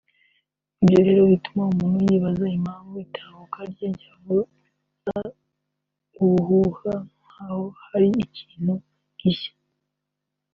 Ibyo rero bituma umuntu yibaza impamvu itahuka rye ryavuza ubuhuha nk’aho hari ikintu gishya